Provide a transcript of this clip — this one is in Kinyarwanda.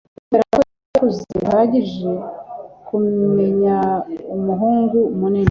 Kubera ko yari akuze bihagije kubimenya umuhungu munini